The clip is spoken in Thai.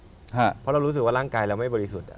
เพราะเรารู้สึกว่าร่างกายเราไม่บริสุทธิ์